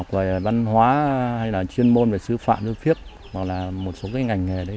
học về văn hóa hay là chuyên môn về sư phạm sư phiếp hoặc là một số cái ngành nghề đấy